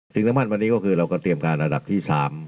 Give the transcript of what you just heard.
สิ่งสำคัญวันนี้ก็คือเราก็เตรียมการระดับที่๓